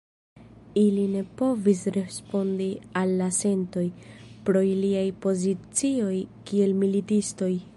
Ili ne povis respondi al la sentoj, pro iliaj pozicioj kiel militistoj.